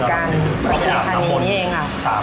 เขาไปอาบน้ำมนต์มานี่เองค่ะ